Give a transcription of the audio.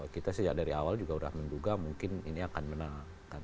kita sejak dari awal juga sudah menduga mungkin ini akan menang